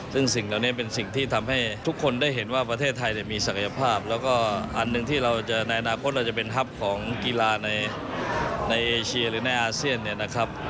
ซึ่งสิ่งเหล่านี้เป็นสิ่งที่ทำให้ทุกคนได้เห็นว่าประเทศไทยมีศักยภาพแล้วก็อันหนึ่งที่เราจะในอนาคตเราจะเป็นฮัพของกีฬาในเอเชียหรือในอาเซียนเนี่ยนะครับ